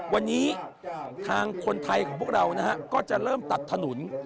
วันนี้ทางคนไทยของพวกเราก็จะเริ่มตัดถนน